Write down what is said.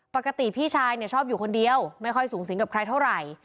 พี่ชายชอบอยู่คนเดียวไม่ค่อยสูงสิงกับใครเท่าไหร่